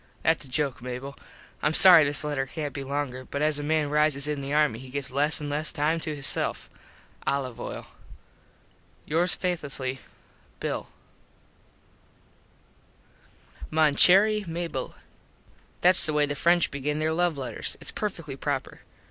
Thats a joke Mable. Im sorry this letter cant be longer but as a man rises in the army he gets less an less time to hisself. Olive oil. Yours faithlessly, Bill. Mon Cherry Mable: Thats the way the French begin there love letters. Its perfectly proper.